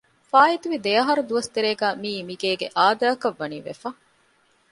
ފާއިތުވި ދެއަހަރު ދުވަސް ތެރޭގައި މިއީ މިގޭގެ އާދައަކަށް ވަނީ ވެފަ